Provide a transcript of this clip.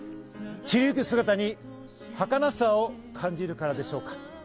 散りゆく姿にはかなさを感じるからでしょうか？